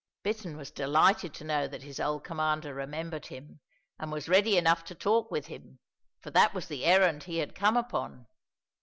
Bittern was delighted to know that his old commander remembered him, and was ready enough to talk with him, for that was the errand he had come upon.